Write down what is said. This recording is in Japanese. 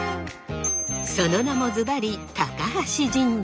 その名もズバリ橋神社！